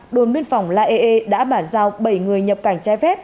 đồn biên phòng lae đã bản giao bảy người nhập cảnh trai phép